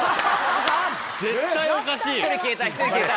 絶対おかしい。